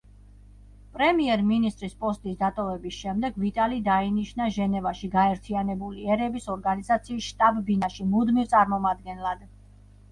პრემიერ-მინისტრის პოსტის დატოვების შემდეგ, ვიტალი დაინიშნა ჟენევაში გაერთიანებული ერების ორგანიზაციის შტაბ-ბინაში მუდმივ წარმომადგენლად.